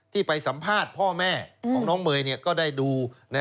ไปสัมภาษณ์พ่อแม่ของน้องเมย์ก็ได้ดู